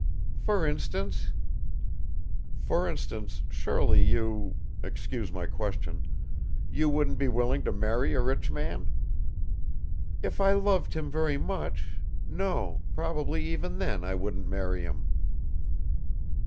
"For instance?" "For instance, surely you excuse my question you wouldn't be willing to marry a rich man?" "If I loved him very much ... no, probably even then I wouldn't marry him."